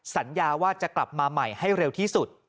สัญญาว่าจะกลับมาใหม่ให้เร็วที่สุด